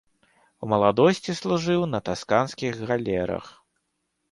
У маладосці служыў на тасканскіх галерах.